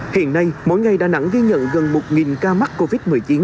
hiện nay mỗi ngày đà nẵng ghi nhận gần một ca mắc covid một mươi chín